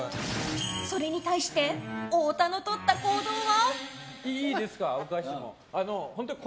それに対して太田のとった行動は。